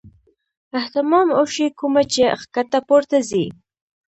اهتمام اوشي کومه چې ښکته پورته ځي -